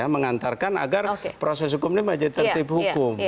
mengantarkan agar proses hukum ini menjadi tertib hukum